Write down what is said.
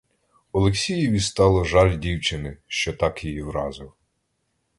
Олексієві стало жаль дівчини, що так її вразив.